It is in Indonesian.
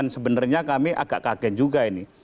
sebenarnya kami agak kaget juga ini